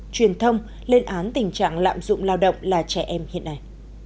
truyền thông lên án tình trạng lạm dụng lao động là trẻ em hiện nay